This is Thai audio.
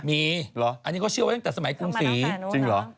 มีเหรออันนี้เขาเชื่อไว้ตั้งแต่สมัยกรุงศรีจริงเหรอ